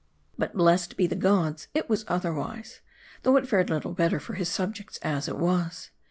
But blessed be the gods, it was otherwise. Though it fared little better for his subjects as it was.